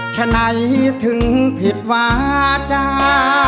ฉะนั้นถึงผิดว่าจ้า